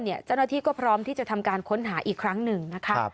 เจ้าหน้าที่ก็พร้อมที่จะทำการค้นหาอีกครั้งหนึ่งนะคะ